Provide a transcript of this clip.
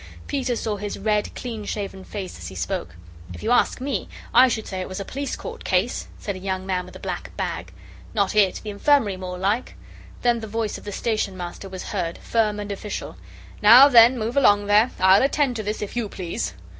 Peter saw his red, clean shaven face as he spoke. "If you ask me, I should say it was a Police Court case," said a young man with a black bag. "Not it; the Infirmary more like " Then the voice of the Station Master was heard, firm and official: "Now, then move along there. I'll attend to this, if YOU please."